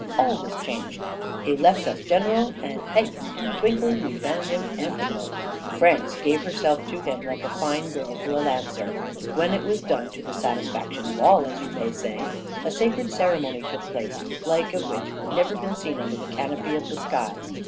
All was changed! He left us general, and hey! in a twinkling we found him EMPEROR. France gave herself to him, like a fine girl to a lancer. When it was done to the satisfaction of all, as you may say a sacred ceremony took place, the like of which was never seen under the canopy of the skies.